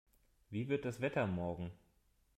Wie wird das Wetter morgen?